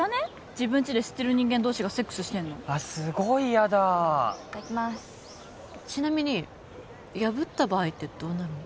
自分ちで知ってる人間同士がセックスしてんのあすごいヤダいただきますちなみに破った場合ってどうなるの？